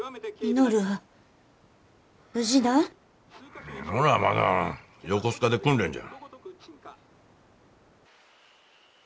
稔はまだ横須賀で訓練じゃ。